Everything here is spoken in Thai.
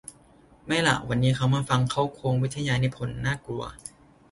ไม่ล่ะ วันนี้เขามาฟังเค้าโครงวิทยานิพนธ์ น่ากลัว